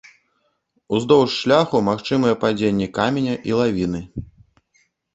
Уздоўж шляху магчымыя падзенні каменя і лавіны.